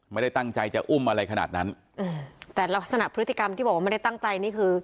ไม่ได้ตั้งใจจะอุ้มอะไรขนาดนั้นอืมแต่ลักษณะพฤติกรรมที่บอกว่าไม่ได้ตั้งใจนี่คือ